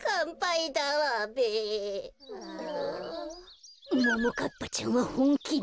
こころのこえももかっぱちゃんはほんきだ。